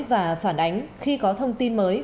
và phản ánh khi có thông tin mới